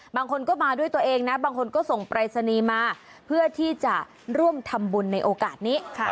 บางคนก็มาด้วยตัวเองนะบางคนก็ส่งปรายศนีย์มาเพื่อที่จะร่วมทำบุญในโอกาสนี้